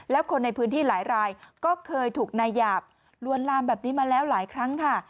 แล้วคนในพื้นที่หลายรายก็เคยถูกนายหยาบลวนลามแบบนี้มาแล้วหลายครั้งค่ะ